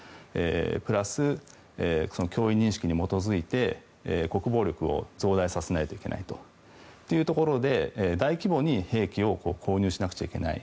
プラス脅威認識に基づいて国防力を増大させないといけないというところで大規模に兵器を購入しなくちゃいけない。